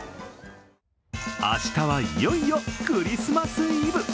明日はいよいよクリスマスイブ。